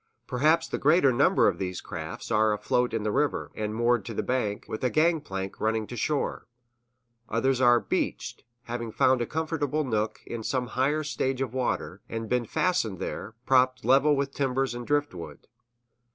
Perhaps the greater number of these craft are afloat in the river, and moored to the bank, with a gang plank running to shore; others are "beached," having found a comfortable nook in some higher stage of water, and been fastened there, propped level with timbers and driftwood.